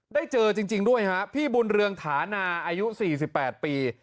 ได้เจอจริงจริงด้วยฮะพี่บุญเรืองฐานะอายุสี่สิบแปดปี